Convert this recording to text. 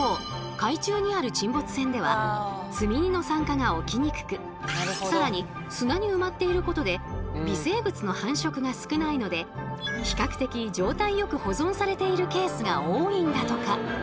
海中にある沈没船では積荷の酸化が起きにくく更に砂に埋まっていることで微生物の繁殖が少ないので比較的状態よく保存されているケースが多いんだとか。